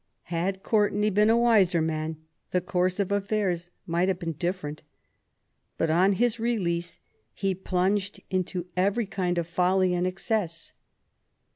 Had Courtenay been a wiser man, the course of affairs might have been different. But, on his release, he plunged into every kind of folly and excess.